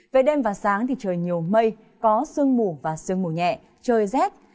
về đêm và sáng thì trời nhiều mây có sương mù và sương mù nhẹ trời rét